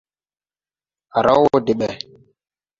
Á raw wɔ de ɓɛ.